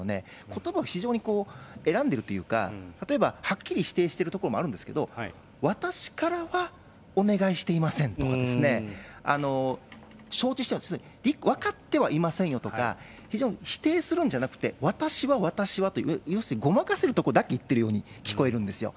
ことばを非常に選んでるというか、例えばはっきり否定しているところもあるんですけど、私からはお願いしていませんとかですね、承知、分かってはいませんよとか、非常に否定するんじゃなくて、私は、私はと、要するにごまかせるところだけ言ってるように聞こえるんですよ。